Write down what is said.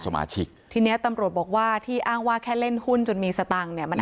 สมาชิกทีเนี้ยตำรวจบอกว่าที่อ้างว่าแค่เล่นหุ้นจนมีสตังค์เนี่ยมัน